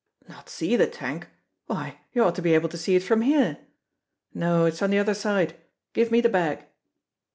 "Not see the tank! Why, you ought to be able to see it from here; no, it's on the other side; give me the bag!"